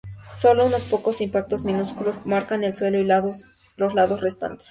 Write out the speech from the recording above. Solo unos pocos impactos minúsculos marcan el suelo y los lados restantes.